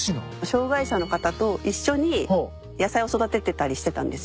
障害者の方と一緒に野菜を育ててたりしてたんですよ。